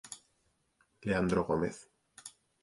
Leandro Gómez.